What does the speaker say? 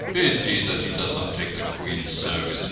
Pity that he does not take the Qpeen's service.